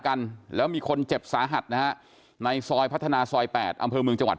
กันแล้วมีคนเจ็บสาหัสนะฮะในซอยพัฒนาซอยแปดอำเภอเมืองจังหวัด